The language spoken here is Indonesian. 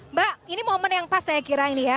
mbak ini momen yang pas saya kira ini ya